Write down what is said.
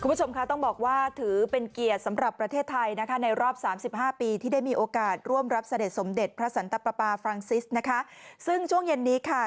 คุณผู้ชมค่ะต้องบอกว่าถือเป็นเกียรติสำหรับประเทศไทยนะคะในรอบสามสิบห้าปีที่ได้มีโอกาสร่วมรับเสด็จสมเด็จพระสันตปาฟรังซิสนะคะซึ่งช่วงเย็นนี้ค่ะ